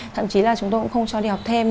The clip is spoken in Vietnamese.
thậm chí là chúng tôi cũng không cho đi học thêm